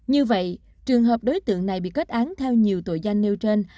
như vậy trường hợp đối tượng này bị kết án theo nhiều tội danh nêu trên